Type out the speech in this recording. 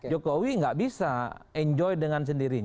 jokowi nggak bisa enjoy dengan sendirinya